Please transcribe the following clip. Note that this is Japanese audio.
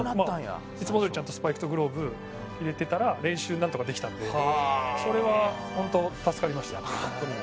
いつもどおりちゃんとスパイクとグローブ入れてたら練習なんとかできたんでそれはホント助かりました。